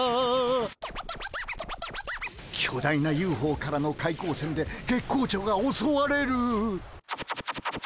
巨大なＵＦＯからの怪光線で月光町がおそわれる。